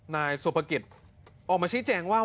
นายสุพกิษออกมาชิดแจ้งว่า